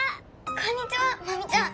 こんにちはマミちゃん！